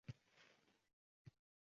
Albatta, sen ham.